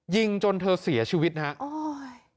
ยิงจนเธอเสียชีวิตนะครับโอ้ย